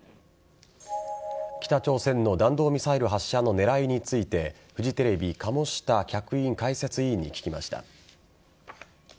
北朝鮮の弾道ミサイル発射の狙いについてフジテレビ鴨下客員解説委員に聞きました。